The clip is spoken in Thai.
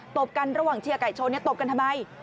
ตบกันระหว่างเชียร์ไก่ชนตบกันทำไม